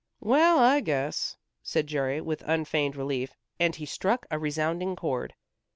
"Well, I guess," said Jerry, with unfeigned relief, and he struck a resounding chord.